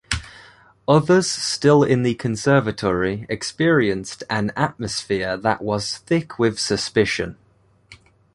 Others still in the Conservatory experienced an atmosphere that was thick with suspicion.